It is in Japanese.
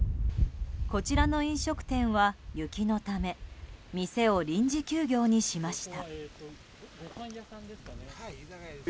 こちらの飲食店は雪のため店を臨時休業にしました。